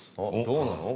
どうなの？